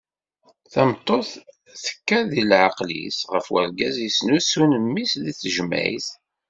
Tameṭṭut tekka deg leɛqel-is ɣef urgaz yesnusun mmi-s deg tejmeɛt!